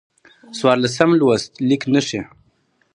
څوارلسم لوست: لیک نښې